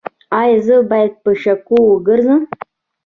ایا زه باید په شګو وګرځم؟